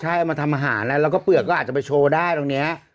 ใช่เอามาทำอาหารแล้วแล้วก็เปลือกก็อาจจะไปโชว์ได้ตรงนี้